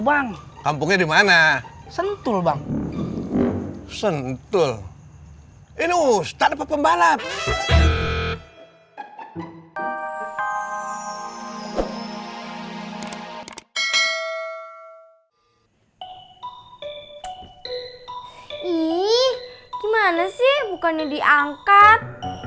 bang kampungnya dimana sentul bang sentul ini ustadz pembalap gimana sih bukannya diangkat